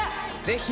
ぜひ！